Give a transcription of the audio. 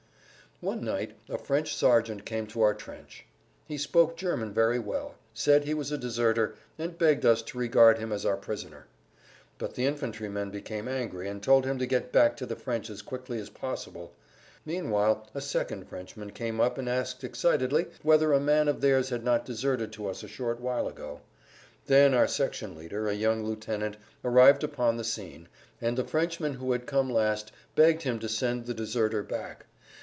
One night a French sergeant came to our trench. He spoke German very well, said he was a deserter, and begged us to regard him as our prisoner. But the infantrymen became angry and told him to get back to the French as quickly as possible. Meanwhile a second Frenchman had come up and asked excitedly whether a man of theirs had not deserted to us a short while ago. Then our section leader, a young lieutenant, arrived upon the scene, and the Frenchman who had come last begged him to send the deserter back.